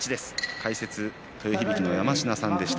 解説は豊響の山科さんでした。